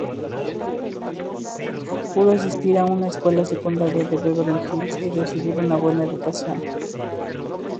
Pudo asistir a una escuela secundaria en Beverly Hills y recibir una buena educación.